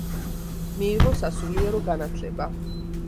მიიღო სასულიერო განათლება.